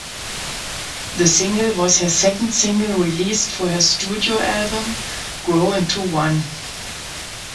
The single was her second single released for her studio album, grow into one.